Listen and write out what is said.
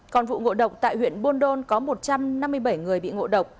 còn vụ ngộ độc tại huyện buôn đôn có một trăm năm mươi bảy